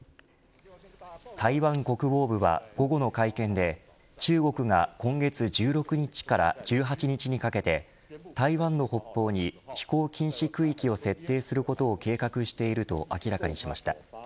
台湾国防部は午後の会見で中国が今月１６日から１８日にかけて台湾の北方に飛行禁止区域を設定することを計画していると明らかにしました。